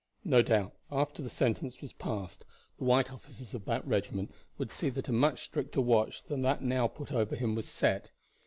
No doubt after the sentence was passed the white officers of that regiment would see that a much stricter watch than that now put over him was set.